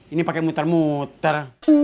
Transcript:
ini pakai muter muter